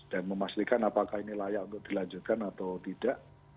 dan memastikan apakah ini layak untuk dilanjutkan atau tidak